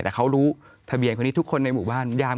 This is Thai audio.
แต่เขารู้ทะเบียนคนนี้ทุกคนในหมู่บ้าน